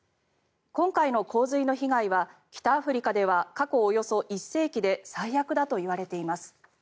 今回の洪水の被害は北アフリカでは過去およそ１世紀で最悪だといわれています。